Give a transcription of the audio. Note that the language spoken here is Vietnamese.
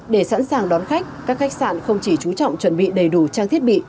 để sẵn sàng đón khách các khách sạn không chỉ chú trọng chuẩn bị đầy đủ trang thiết bị